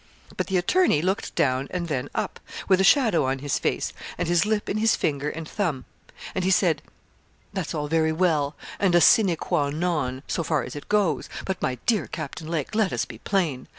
But the attorney looked down and then up, with a shadow on his face, and his lip in his finger and thumb, and he said 'That's all very well, and a sine qua non, so far as it goes! but, my dear Captain Lake, let us be plain.